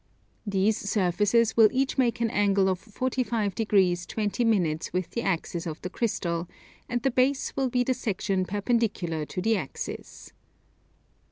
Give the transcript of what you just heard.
These surfaces will each make an angle of 45 degrees 20 minutes with the axis of the crystal, and the base will be the section perpendicular to the axis.